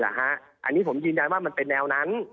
อันนี้ผมยืนยันว่ามันเป็นแนวนั้น